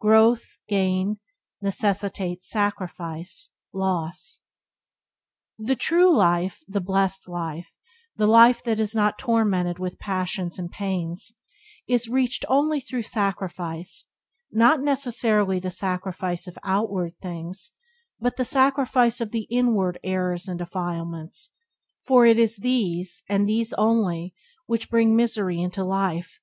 Growth... gain, necessitates sacrifice... loss. The true life, the blessed life, the life that is not tormented with passions and pains, is reached only through sacrifice, not necessarily the sacrifice of outward things, but the sacrifice of the inward errors and defilements, for it is these, and these only, which bring misery into life.